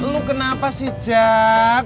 lo kenapa sih jack